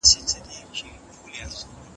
هڅاند خلک په تیاره کې رڼا ویني.